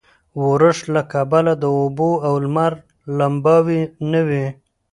ورښت له کبله د اوبو او لمر لمباوې نه وې.